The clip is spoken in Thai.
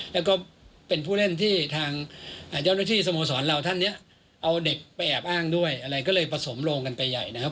แล้วก็เป็นผู้เล่นที่ทางเจ้าหน้าที่สโมสรเราท่านเนี่ยเอาเด็กไปแอบอ้างด้วยอะไรก็เลยผสมโรงกันไปใหญ่นะครับ